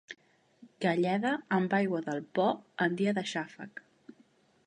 Galleda amb aigua del Po en dia de xàfec.